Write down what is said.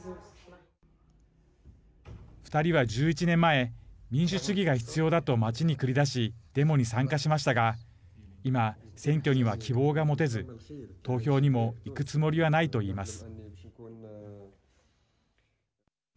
２人は１１年前民主主義が必要だと街に繰り出しデモに参加しましたが今、選挙には希望が持てず投票にも行くつもりはないと言います。